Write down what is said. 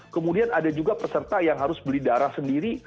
kemudian ada juga peserta yang harus beli darah sendiri